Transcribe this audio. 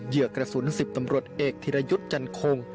เหยื่อกระสุน๑๐ตำรวจเอกธิรยุทธ์จันคง